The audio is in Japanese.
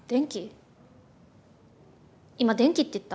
今電気って言った？